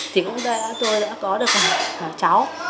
thì hôm nay tôi đã có được cháu